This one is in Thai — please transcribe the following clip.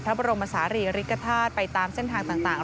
พระบรมศาลีริกฐาตุไปตามเส้นทางต่าง